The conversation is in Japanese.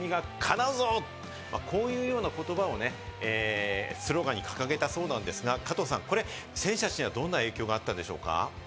こういうような言葉をスローガンに掲げたそうなんですが、加藤さん、選手たちにどんな影響があったでしょうか？